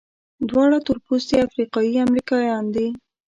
دواړه تورپوستي افریقایي امریکایان دي.